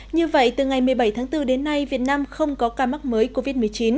như vậy từ ngày một mươi bảy tháng bốn đến nay việt nam không có ca mắc mới covid một mươi chín